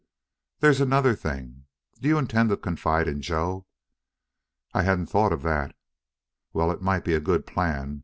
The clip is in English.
"There's another thing. Do you intend to confide in Joe?" "I hadn't thought of that." "Well, it might be a good plan.